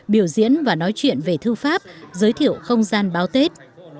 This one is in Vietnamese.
biểu diễn và nói chuyện về thư pháp giới thiệu không gian báo tết